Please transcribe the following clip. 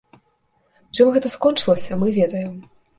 Чым гэта скончылася, мы ведаем.